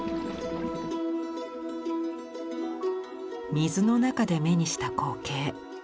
水の中で目にした光景。